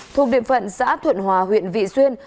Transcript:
thuộc địa phận xã thuận hòa huyện vị xuyên